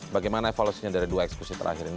bagaimana evolusinya dari dua ekskusi terakhir ini